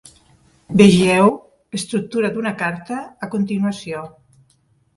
Vegeu "estructura d'una carta" a continuació.